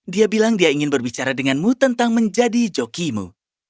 dia bilang dia ingin berbicara denganmu tentang menjadi jokimu